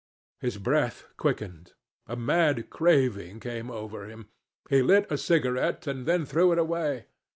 His breath quickened. A mad craving came over him. He lit a cigarette and then threw it away.